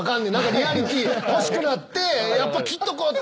リアリティー欲しくなってやっぱ切っとこって。